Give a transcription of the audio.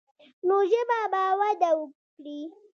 نو ژبه به وده وکړي.